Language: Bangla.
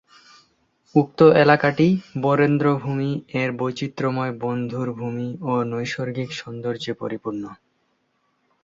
উক্ত এলাকাটি বরেন্দ্র ভূমি এর বৈচিত্রময় বন্ধুর ভূমি ও নৈসর্গিক সৌন্দর্যে পরিপূর্ণ।